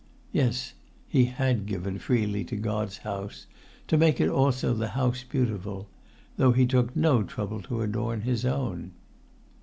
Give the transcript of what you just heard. Yes; he had given freely to God's House, to make it also the House Beautiful, though he took no trouble to adorn his own.